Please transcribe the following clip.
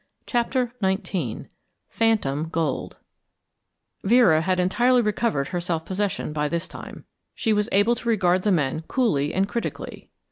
CHAPTER XIX PHANTOM GOLD Vera had entirely recovered her self possession by this time. She was able to regard the men coolly and critically.